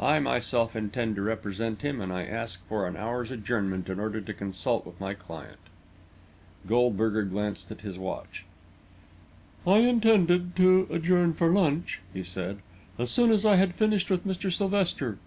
I myself intend to represent him, and I ask for an hour's adjournment in order to consult with my client." Goldberger glanced at his watch. "I intended to adjourn for lunch," he said, "as soon as I had finished with Mr. Sylvester.